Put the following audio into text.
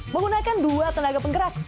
menggunakan dua tenaga penggerak